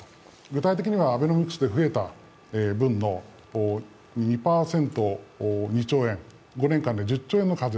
具体的にはアベノミクスで増えた分の２％、２兆円、５年間で１０兆円。